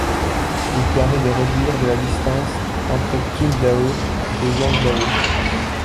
Il permet de réduire de la distance entre Qingdao et Huangdao.